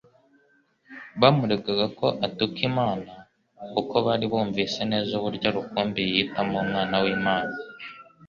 Bamuregaga ko atuka Imana kuko bari bumvise neza uburyo rukumbi yiyitamo Umwana w'Imana.